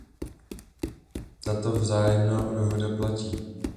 Tato vzájemná dohoda platí.